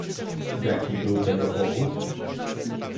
Jaki był tego powód?